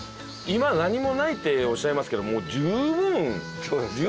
「今何もない」っておっしゃいますけども十分十分素敵ですよ